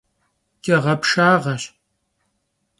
Ç'eğepşşağeş.